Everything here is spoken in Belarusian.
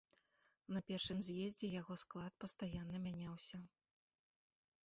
На першым з'ездзе яго склад пастаянна мяняўся.